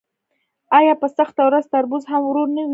آیا په سخته ورځ تربور هم ورور نه وي؟